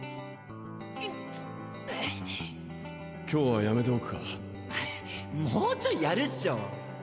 いっつ今日はやめておくかもうちょいやるっしょ。